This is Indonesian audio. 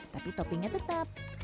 tapi toppingnya tetap